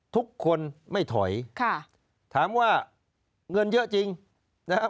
ทุกคนไม่ถอยค่ะถามว่าเงินเยอะจริงนะครับ